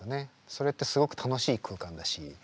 それってすごく楽しい空間だし。